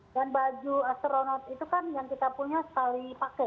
dan baju astronot itu kan yang kita punya sekali pakai